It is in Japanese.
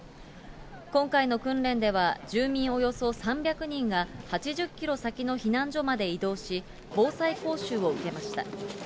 今回の訓練では、住民およそ３００人が、８０キロ先の避難所まで移動し、防災講習を受けました。